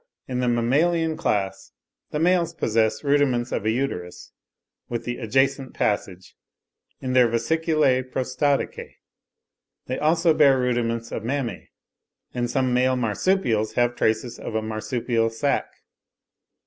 In the mammalian class the males possess rudiments of a uterus with the adjacent passage, in their vesiculae prostaticae; they bear also rudiments of mammae, and some male Marsupials have traces of a marsupial sack.